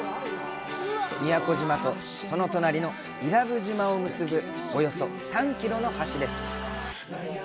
宮古島とその隣の伊良部島を結ぶおよそ３キロの橋です。